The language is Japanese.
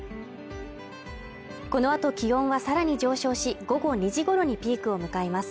このあと気温は更に上昇し、午後２時ごろにピークを迎えます。